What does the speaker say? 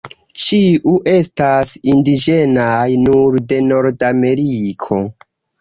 Ĉiu estas indiĝenaj nur de Nordameriko.